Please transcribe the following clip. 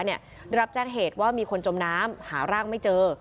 ได้รับแจ้งเหตุว่ามีคนจมน้ำหาร่างไม่เจอ